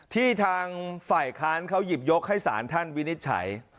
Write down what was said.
ที่ทางฝ่ายค้านเขาหยิบยกให้สารท่านวินิจฉัย